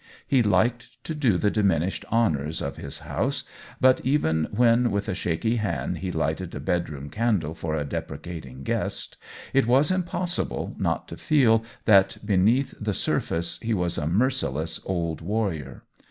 He liked to do the di minished honors of his house, but even when with a shaky hand he lighted a bed room candle for a deprecating guest, it was impossible not to feel that beneath the sur face he was a merciless old warrior.